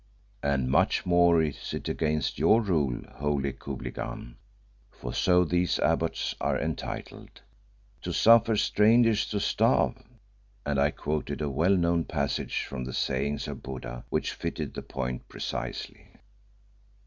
"And much more is it against your Rule, holy Khubilghan," for so these abbots are entitled, "to suffer strangers to starve"; and I quoted a well known passage from the sayings of Buddha which fitted the point precisely.